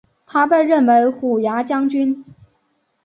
他被任为虎牙将军。